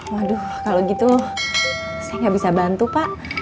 waduh kalau gitu saya nggak bisa bantu pak